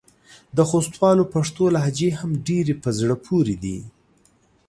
د خوستوالو پښتو لهجې هم ډېرې په زړه پورې دي.